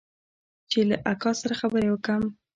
چې له اکا سره خبرې وکم.